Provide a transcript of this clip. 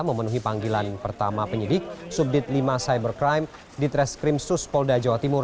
memenuhi panggilan pertama penyidik subdit lima cybercrime di treskrim suspolda jawa timur